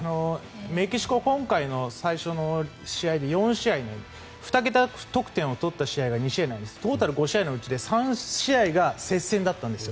メキシコは今回、最初の試合で４試合、２桁得点を取った試合２試合でトータル５試合のうちで３試合が接戦だったんです。